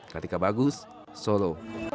ketika bagus solo